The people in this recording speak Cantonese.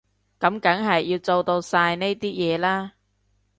噉梗係要做到晒呢啲嘢啦